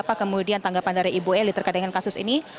apa kemudian tanggapan dari ibu eli terkait dengan kasus ini